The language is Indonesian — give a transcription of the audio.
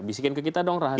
bisikin ke kita dong rahasi